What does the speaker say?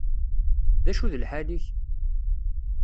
D acu d lḥal-ik?